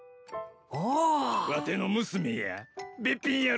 おお。わての娘や。